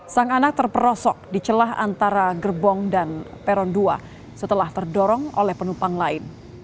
sang anak terperosok di celah antara gerbong dan peron dua setelah terdorong oleh penumpang lain